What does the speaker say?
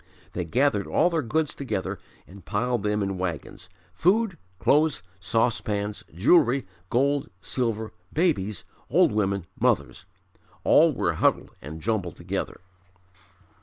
They gathered all their goods together and piled them in wagons food, clothes, saucepans, jewelry, gold, silver, babies, old women, mothers, all were huddled and jumbled together.